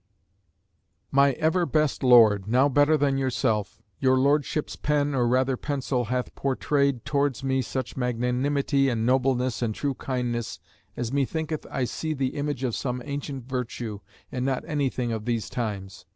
B." "MY EVER BEST LORD, now better than yourself, Your Lordship's pen, or rather pencil, hath pourtrayed towards me such magnanimity and nobleness and true kindness, as methinketh I see the image of some ancient virtue, and not anything of these times.